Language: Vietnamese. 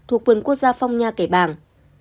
thuộc vườn quốc gia phong nha cải bàng